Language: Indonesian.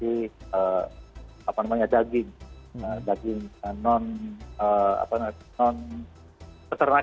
jadi itu adalah peraturan yang dikhususkan oleh anjing anjing tersebut